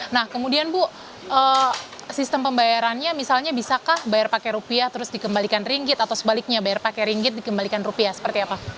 nah kemudian bu sistem pembayarannya misalnya bisakah bayar pakai rupiah terus dikembalikan ringgit atau sebaliknya bayar pakai ringgit dikembalikan rupiah seperti apa